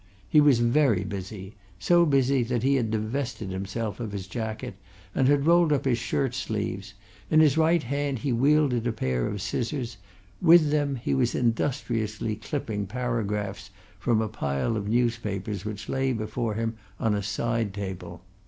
He was very busy so busy that he had divested himself of his jacket, and had rolled up his shirt sleeves. In his right hand he wielded a pair of scissors; with them he was industriously clipping paragraphs from a pile of newspapers which lay before him on a side table.